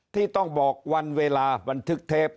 ที่ต้องบอกวันเวลาบันทึกเทป